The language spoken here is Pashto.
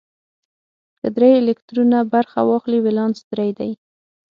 که درې الکترونه برخه واخلي ولانس درې دی.